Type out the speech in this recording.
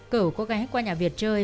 cầu có gái qua nhà việt chơi